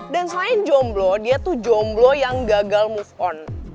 dan selain jomblo dia tuh jomblo yang gagal move on